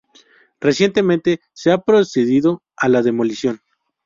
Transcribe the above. Recientemente se ha procedido a la demolición.